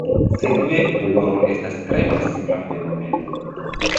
Sekve, doloro estas tre malsimpla fenomeno.